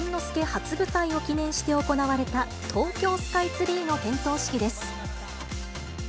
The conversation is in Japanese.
初舞台を記念して行われた東京スカイツリーの点燈式です。